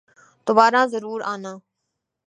دوبارہ ضرور آنا